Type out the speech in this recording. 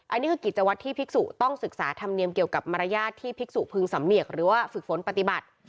อันนี้คือกิจวัตรที่ภิกษุต้องศึกษาธรรมเนียมเกี่ยวกับมารยาทที่ภิกษุพึงสำเนียกหรือว่าฝึกฝนปฏิบัติ